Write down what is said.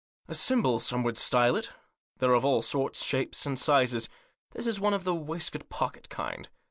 A symbol some would style it. They're of all sorts, shapes and sizes ; that is one of the waistcoat pocket kind.